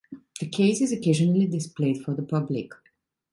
The case is occasionally displayed for the public.